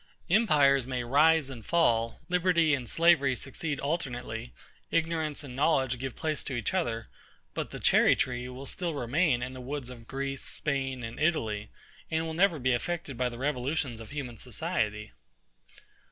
Empires may rise and fall, liberty and slavery succeed alternately, ignorance and knowledge give place to each other; but the cherry tree will still remain in the woods of GREECE, SPAIN, and ITALY, and will never be affected by the revolutions of human society.